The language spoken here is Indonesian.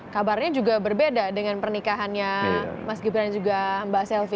kabarnya juga berbeda dengan pernikahannya mas gibran dan juga mbak selvi